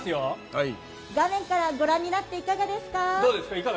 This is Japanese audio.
画面からご覧になっていかがですか。